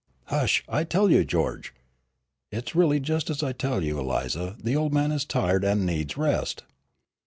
"Hush, I tell you, George. It's really just as I tell you, Eliza, the old man is tired and needs rest!"